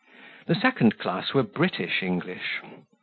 The second class were British English.